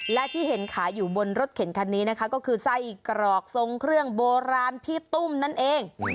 และที่เห็นขายอยู่บนรถเข็นคันนี้นะคะก็คือไส้กรอกทรงเครื่องโบราณพี่ตุ้มนั่นเอง